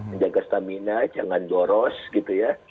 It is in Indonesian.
menjaga stamina jangan doros gitu ya